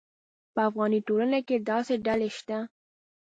په افغاني ټولنه کې داسې ډلې شته.